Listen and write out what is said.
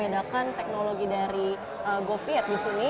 apa yang membedakan teknologi dari goviet di sini